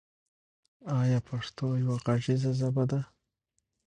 آیا پښتو یوه غږیزه ژبه ده؟